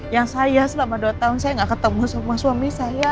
yang saya selama dua tahun saya nggak ketemu sama suami saya